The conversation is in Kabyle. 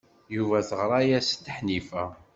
Yuba teɣra-as-d Ḥnifa.